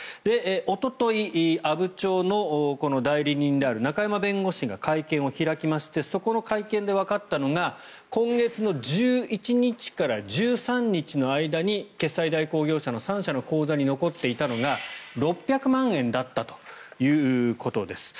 おととい、阿武町の代理人である中山弁護士が会見を開きましてそこの会見でわかったのが今月１１日から１３日の間に決済代行業者の３社の口座に残っていたのが６００万円だったということです。